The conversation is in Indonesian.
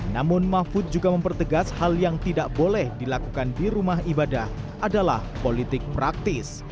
namun mahfud juga mempertegas hal yang tidak boleh dilakukan di rumah ibadah adalah politik praktis